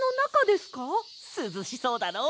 すずしそうだろ？